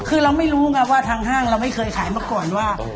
คือเราไม่รู้ไงว่าทางห้างเราไม่เคยขายมาก่อนว่า